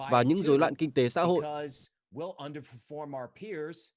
và những rối loạn kinh tế xã hội